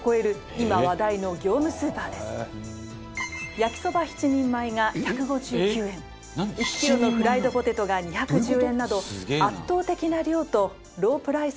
焼きそば７人前が１５９円１キロのフライドポテトが２１０円など圧倒的な量とロープライスで人気です。